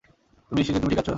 তুমি নিশ্চিত যে তুমি ঠিক আছ?